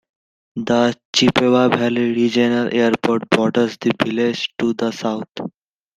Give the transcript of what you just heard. The Chippewa Valley Regional Airport borders the village to the south.